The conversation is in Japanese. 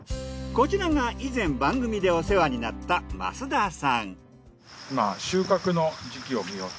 こちらが以前番組でお世話になった増田さん。